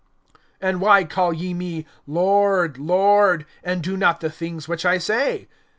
(46)And why call ye me, Lord, Lord, and do not the things which I say?